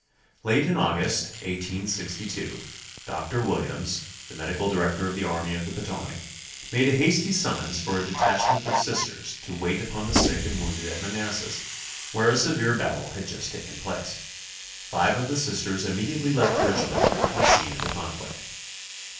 Late in August, 1862, Dr. Williams, the medical director of the army of the Potomac, made a hasty summons for a detachment of Sisters to wait upon the sick and wounded at Manassas, where a severe battle had just taken place. Five of the Sisters immediately left Richmond for the scene of the conflict.